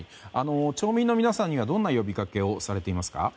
町民の皆さんにはどんな呼びかけをされていますか。